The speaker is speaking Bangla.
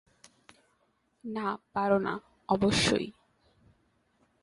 না পারো না, অবশ্যই।